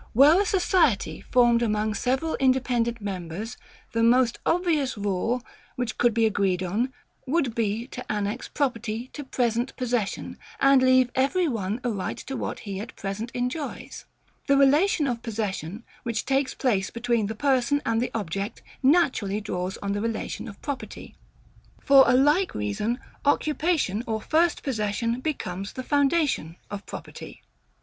Were a society formed among several independent members, the most obvious rule, which could be agreed on, would be to annex property to PRESENT possession, and leave every one a right to what he at present enjoys. The relation of possession, which takes place between the person and the object, naturally draws on the relation of property. For a like reason, occupation or first possession becomes the foundation of property.